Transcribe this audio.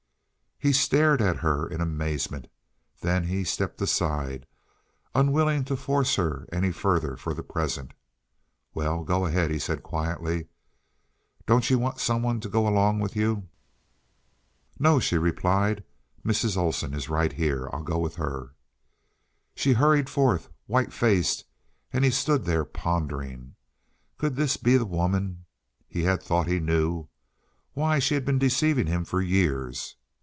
He stared at her in amazement; then he stepped aside, unwilling to force her any further for the present. "Well, go ahead," he said quietly. "Don't you want some one to go along with you?" "No," she replied. "Mrs. Olsen is right here. I'll go with her." She hurried forth, white faced, and he stood there, pondering. Could this be the woman he had thought he knew? Why, she had been deceiving him for years.